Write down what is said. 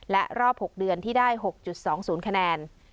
และรอบ๖เดือนที่ได้๖๒๐คะแนน